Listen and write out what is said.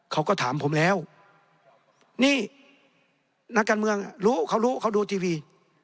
เขาก็ถามผมแล้วนี่นักการเมืองรู้เขารู้เขาดูทีวี